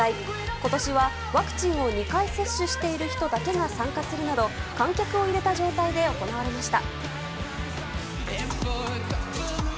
今年は、ワクチンを２回接種している人だけが参加するなど観客を入れた状態で行われました。